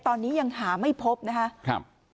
ตอนนี้ยังหาไม่พบนะครับ